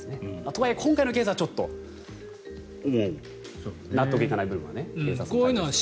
とはいえ、今回のケースはちょっと納得いかない部分はありますね。